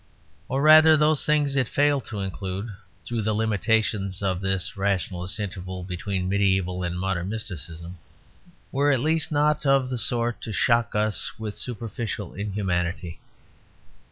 Or rather those things it failed to include, through the limitations of this rationalist interval between mediæval and modern mysticism, were at least not of the sort to shock us with superficial inhumanity.